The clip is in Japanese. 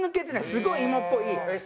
すごい芋っぽい。